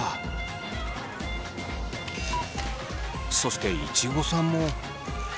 そしていちごさんも。